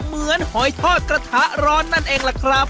หอยทอดกระทะร้อนนั่นเองล่ะครับ